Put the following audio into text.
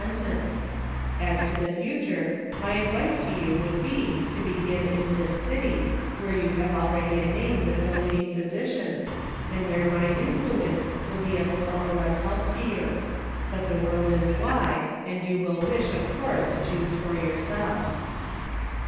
tence : "As to the future, my advice to you would be, to begin in this city, where you have already a name with the leading physicians, and where my influence will be of more or less help to you ; but the world is wide, and you will wish, of course, to choose for yourself."